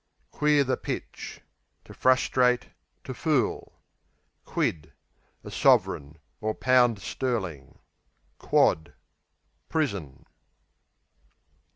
Queer the pitch To frustrate; to fool. Quid A sovereign, or pound sterling. Quod Prison.